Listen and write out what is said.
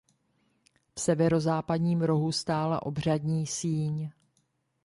V severozápadním rohu stála obřadní síň.